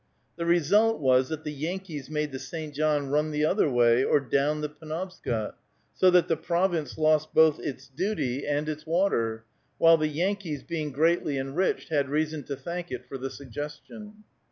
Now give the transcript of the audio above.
The result was that the Yankees made the St. John run the other way, or down the Penobscot, so that the Province lost both its duty and its water, while the Yankees, being greatly enriched, had reason to thank it for the suggestion.